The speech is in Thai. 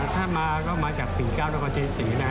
ถ้ามาก็มาจากที่๙๑๑๔๔ก็กันซ